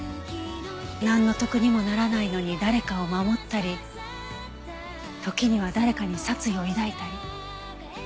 なんの得にもならないのに誰かを守ったり時には誰かに殺意を抱いたり。